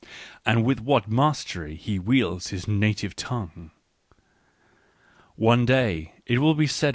And with what mastery he wields his native tongue ! One day it will be said